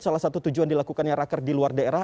salah satu tujuan dilakukannya raker di luar daerah